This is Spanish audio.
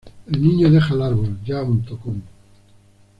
El niño deja al árbol, ya un tocón.